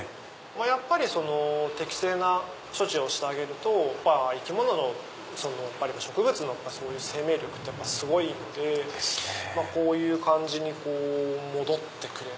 やっぱり適正な処置をしてあげると生き物の植物の生命力ってすごいのでこういう感じに戻ってくれる。